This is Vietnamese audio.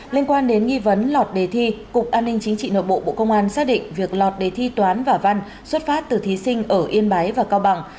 liên quan đến nghi vấn lọt đề thi cục an ninh chính trị nội bộ bộ công an xác định việc lọt đề thi toán và văn xuất phát từ thí sinh ở yên bái và cao bằng